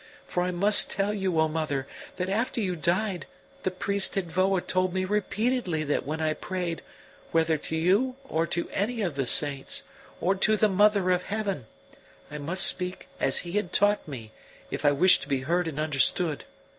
For I must tell you, O mother, that after you died the priest at Voa told me repeatedly that when I prayed, whether to you or to any of the saints, or to the Mother of Heaven, I must speak as he had taught me if I wished to be heard and understood.